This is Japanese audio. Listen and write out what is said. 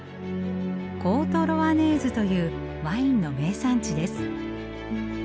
コート・ロアネーズというワインの名産地です。